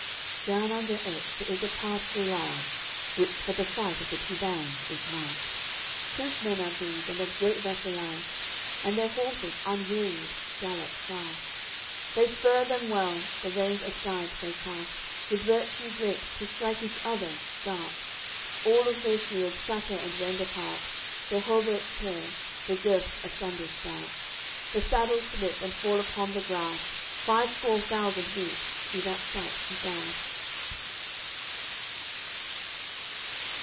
CCLXXXI Down under Aix there is a pasture large Which for the fight of th' two barons is marked. Proof men are these, and of great vassalage, And their horses, unwearied, gallop fast; They spur them well, the reins aside they cast, With virtue great, to strike each other, dart; All of their shields shatter and rend apart. Their hauberks tear; the girths asunder start, The saddles slip, and fall upon the grass. Five score thousand weep, who that sight regard.